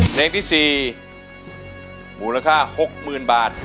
เพลงที่๔มูลค่า๖๐๐๐บาท